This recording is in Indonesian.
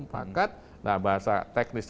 pakat nah bahasa teknis